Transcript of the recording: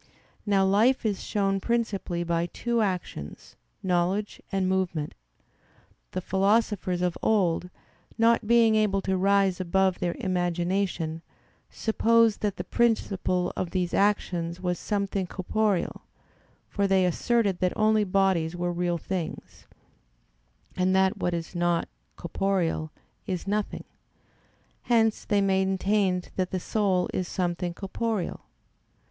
Now life is shown principally by two actions, knowledge and movement. The philosophers of old, not being able to rise above their imagination, supposed that the principle of these actions was something corporeal: for they asserted that only bodies were real things; and that what is not corporeal is nothing: hence they maintained that the soul is something corporeal.